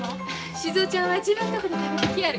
静尾ちゃんは自分とこで食べてきやる。